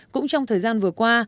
cũng trong thời gian vừa qua